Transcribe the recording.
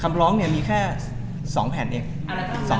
คำร้องเนี่ยมีแค่๒แผ่นเอง